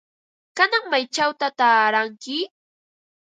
¿Kanan maychawta taaranki?